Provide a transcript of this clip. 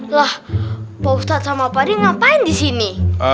lah bostad sama padi ngapain di sini